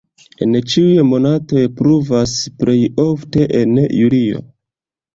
En ĉiuj monatoj pluvas, plej ofte en junio.